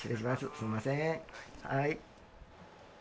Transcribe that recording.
すみませんはい。